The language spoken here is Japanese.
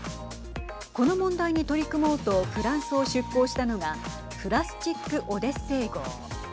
この問題に取り組もうとフランスを出港したのがプラスチック・オデッセイ号。